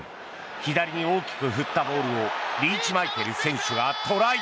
左に大きく振ったボールをリーチマイケル選手がトライ！